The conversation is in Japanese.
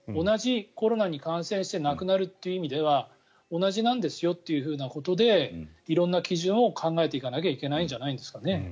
同じコロナに感染して亡くなるという意味では同じなんですよということで色んな基準を考えていかなきゃいけないんじゃないですかね。